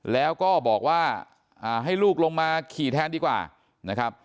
แล้วก็บอกว่าให้ลูกลงมาขี่แทนดีกว่านะครับ